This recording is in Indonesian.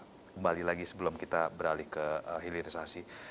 kembali lagi sebelum kita beralih ke hilirisasi